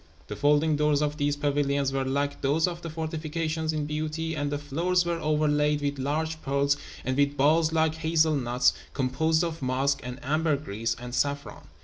The folding doors of these pavilions were like those of the fortifications in beauty, and the floors were overlaid with large pearls, and with balls like hazel nuts, composed of musk and ambergris and saffron.